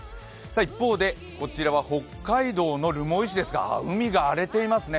一方でこちらは北海道の留萌市ですが海が荒れていますね。